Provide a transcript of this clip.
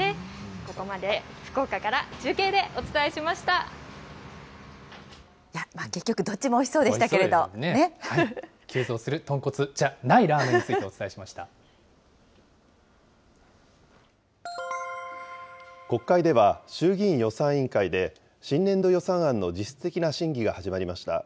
ここまで福岡から中継でお伝えし結局、どっちもおいしそうで急増する豚骨じゃないラーメ国会では、衆議院予算委員会で、新年度予算案の実質的な審議が始まりました。